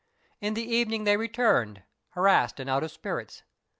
In the evening they returned, harassed and out of spirits.